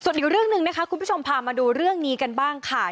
ส่วนอีกเรื่องหนึ่งนะคะคุณผู้ชมพามาดูเรื่องนี้กันบ้างค่ะ